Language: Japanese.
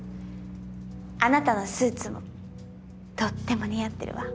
あなたのスーツもとっても似合ってるわ。